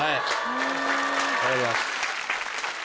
ありがとうございます。